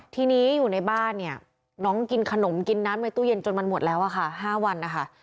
ทีนี้อยู่ในบ้านเนี่ยน้องกินขนมกินน้ำในตู้เย็นจนมันหมดแล้วอะค่ะ๕วันนะคะ